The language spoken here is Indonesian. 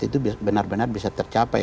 itu benar benar bisa tercapai